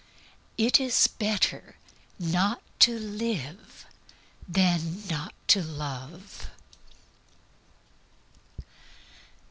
_It is better not to live than not to love.